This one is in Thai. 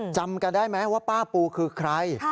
จำกันได้ไหมว่าป้าปูคือใคร